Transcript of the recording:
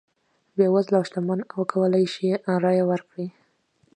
بېوزله او شتمن وکولای شي رایه ورکړي.